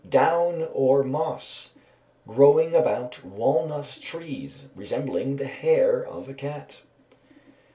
_ Down, or moss, growing about walnut trees, resembling the hair of a cat.